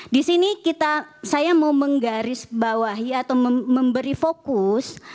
disini kita saya mau menggaris bawahi atau memberi fokus